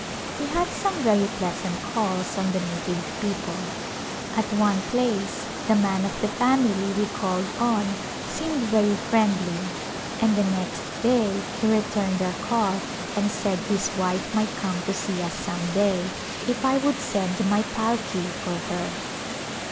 We had some very pleasant calls on the native people. At one place the man of the family we called on seemed very friendly and the next day he returned our call and said his wife might come to see us some day if I would send my palki for her.